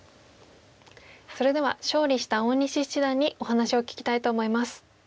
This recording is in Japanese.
それでは勝利した大西七段にお話を聞きたいと思います。